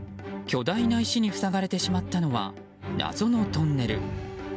巨大な石に塞がれてしまったのは謎のトンネル。